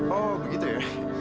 oh begitu ya